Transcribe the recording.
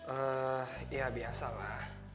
eh ya biasalah